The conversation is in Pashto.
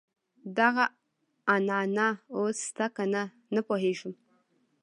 دغه عنعنه اوس شته کنه نه پوهېږم.